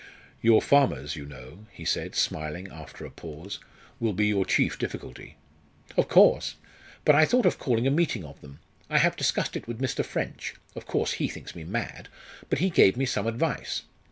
"Your farmers, you know," he said, smiling, after a pause, "will be your chief difficulty." "Of course! But I thought of calling a meeting of them. I have discussed it with Mr. French of course he thinks me mad! but he gave me some advice.